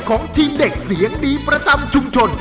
ของทีมเด็กเสียงดีประจำชุมชน